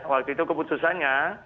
waktu itu keputusannya